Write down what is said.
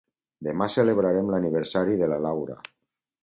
Demà celebrarem l'aniversari de la Laura